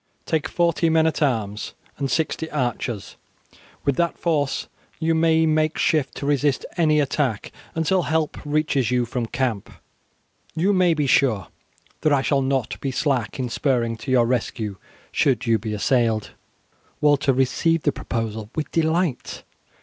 Take forty men at arms and sixty archers. With that force you may make shift to resist any attack until help reaches you from camp. You may be sure that I shall not be slack in spurring to your rescue should you be assailed." Walter received the proposal with delight.